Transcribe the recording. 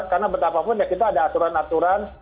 karena betapapun kita ada aturan aturan